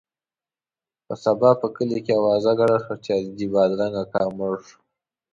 په سبا په کلي کې اوازه ګډه شوه چې حاجي بادرنګ اکا مړ شو.